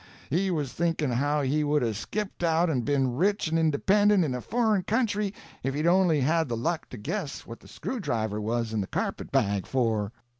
he was thinking how he would 'a' skipped out and been rich and independent in a foreign land if he'd only had the luck to guess what the screwdriver was in the carpet bag for.